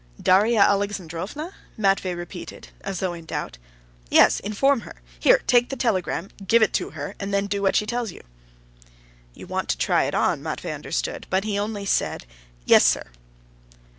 "Darya Alexandrovna?" Matvey repeated, as though in doubt. "Yes, inform her. Here, take the telegram; give it to her, and then do what she tells you." "You want to try it on," Matvey understood, but he only said, "Yes, sir."